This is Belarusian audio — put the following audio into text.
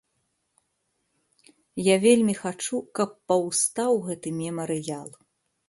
Я вельмі хачу, каб паўстаў гэты мемарыял.